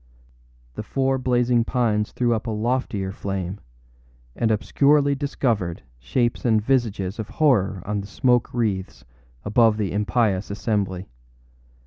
The four blazing pines threw up a loftier flame, and obscurely discovered shapes and visages of horror on the smoke wreaths above the impious assembly.